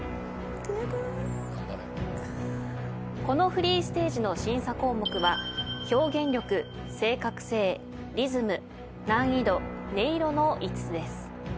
このフリーステージの審査項目は表現力正確性リズム難易度音色の５つです。